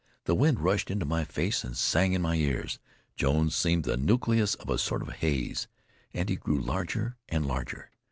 The wind rushed into my face and sang in my ears. Jones seemed the nucleus of a sort of haze, and it grew larger and larger.